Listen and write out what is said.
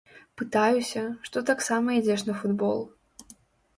Пытаюся, што таксама ідзеш на футбол.